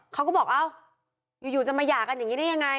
เขาก็บอกเอ้าอยู่จะมาหย่ากันอย่างนี้ได้ยังไง